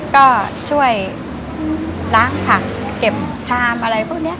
ก็ช่วยล้างผักเก็บชามอะไรพวกนี้